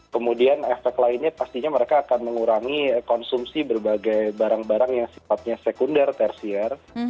kemudian efek lainnya pastinya mereka akan mengurangi konsumsi berbagai barang barang yang sifatnya sekunder tersier